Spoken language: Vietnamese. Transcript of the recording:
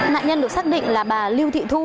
nạn nhân được xác định là bà lưu thị thu